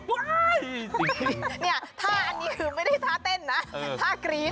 เนี่ยท่าอันนี้คือไม่ได้ท่าเต้นนะท่ากรี๊ด